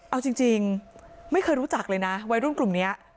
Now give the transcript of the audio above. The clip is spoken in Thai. เอาจริงไม่เคยรู้จักเลยนะวัยรุ่นกลุ่มนี้